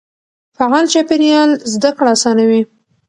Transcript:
فعال چاپېريال زده کړه اسانوي.